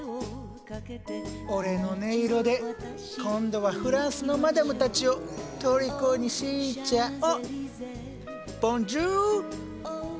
俺の音色で今度はフランスのマダムたちをとりこにしちゃお。